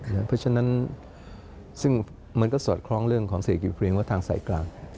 เพราะฉะนั้นซึ่งมันก็สอดคล้องเรื่องของเศรษฐกิจเพลงว่าทางสายกลาง